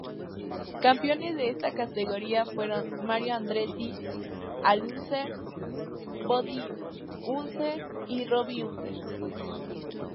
Campeones de esta categoría fueron: Mario Andretti, Al Unser, Bobby Unser y Robby Unser.